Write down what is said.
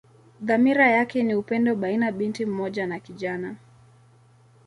Dhamira yake ni upendo baina binti mmoja na kijana.